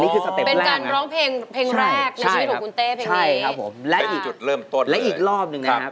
เป็นการร้องเพลงแรกในชีวิตของคุณเต้